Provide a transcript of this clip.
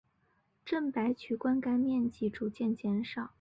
郑白渠灌溉面积逐渐减少。